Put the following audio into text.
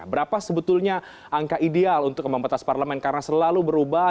berapa sebetulnya angka ideal untuk ambang batas parlemen karena selalu berubah